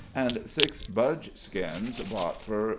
and six budge skins, bought for £1.